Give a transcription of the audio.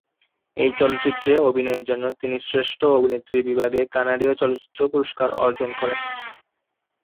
এই চলচ্চিত্রে অভিনয়ের জন্য তিনি শ্রেষ্ঠ অভিনেত্রী বিভাগে কানাডিয়ান চলচ্চিত্র পুরস্কার অর্জন করেন।